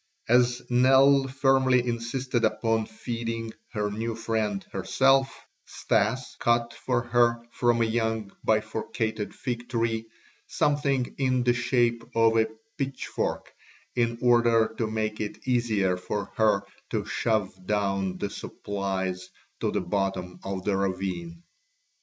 As Nell firmly insisted upon feeding her new friend herself, Stas cut for her from a young bifurcated fig tree something in the shape of a pitchfork in order to make it easier for her to shove down the supplies to the bottom of the ravine.